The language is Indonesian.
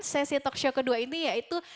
sesi talkshow kedua ini yaitu